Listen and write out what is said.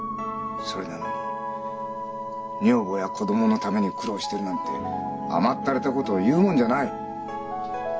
それなのに女房や子供のために苦労してるなんて甘ったれたことを言うもんじゃない。